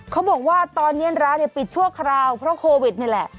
เขาบอกว่าตอนนี้ร้านปิดชั่วคราวเพราะโควิดนี่แหละ